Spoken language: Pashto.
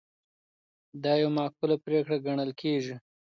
دا یوه معقوله پرېکړه ګڼل کیږي.